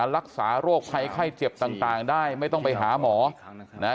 รักษาโรคภัยไข้เจ็บต่างได้ไม่ต้องไปหาหมอนะฮะ